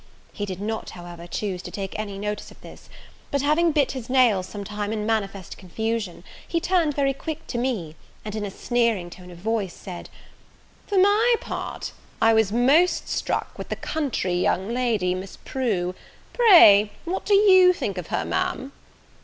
He did not however, choose to take any notice of this: but, having bit his nails some time in manifest confusion, he turned very quick to me, and in a sneering tone of voice, said, "For my part, I was most struck with the country young lady, Miss Prue; pray what do you think of her, Ma'am?"